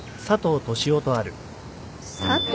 「佐藤」？